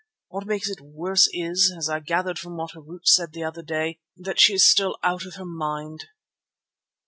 What makes it worse is, as I gathered from what Harût said the other day, that she is still out of her mind."